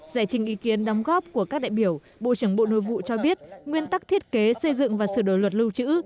giải trình ý kiến đóng góp của các đại biểu bộ trưởng bộ nội vụ cho biết nguyên tắc thiết kế xây dựng và sửa đổi luật lưu trữ